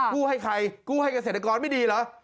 ให้ใครกู้ให้เกษตรกรไม่ดีเหรอ